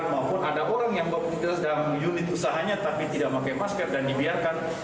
maupun ada orang yang sedang unit usahanya tapi tidak pakai masker dan dibiarkan